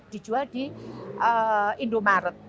dijual di indomaret